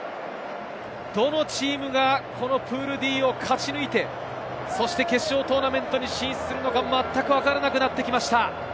どのチームがプールＤを勝ち抜いて決勝トーナメントに進出するのか、まったくわからなくなってきました。